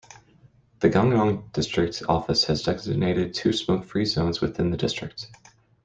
The Gangnam District office has designated two smoke-free zones within the district.